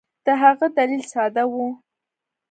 د هغه دلیل ساده وو.